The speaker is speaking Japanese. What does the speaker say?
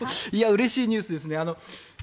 うれしいニュースですね。